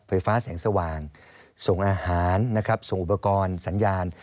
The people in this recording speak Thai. ไฟฟ้าแสงสว่างส่งอาหารนะครับส่งอุปกรณ์สัญญาณ